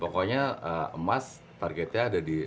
pokoknya emas targetnya ada di